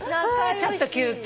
ちょっと休憩。